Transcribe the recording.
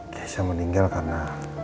giesya meninggal karena